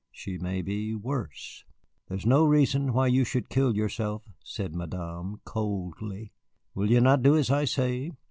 She may be worse." "That is no reason why you should kill yourself," said Madame, coldly. "Will you not do as I say?"